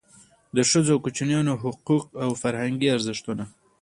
د ښځو او کوچنیانو حقوق او فرهنګي ارزښتونه.